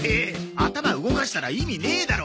頭動かしたら意味ねえだろ！